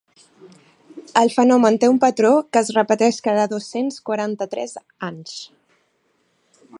El fenomen té un patró que es repeteix cada dos-cents quaranta-tres anys.